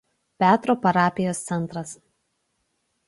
Petro parapijos centras.